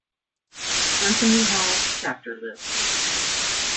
Anthony Hall chapter list.